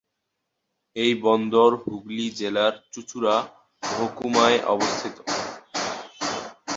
এই বন্দর হুগলী জেলার চুঁচুড়া মহকুমায় অবস্থিত।